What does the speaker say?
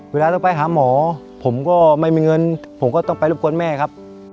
เวลาต้องไปหาหมอผมก็ไม่มีเงินผมก็ต้องไปรบกวนแม่ครับ